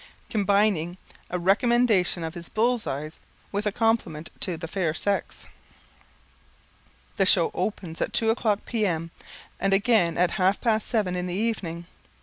combining a recommendation of his bulls' eyes with a compliment to the fair sex. The show opens at two o'clock, P.M., and again at half past seven in the evening.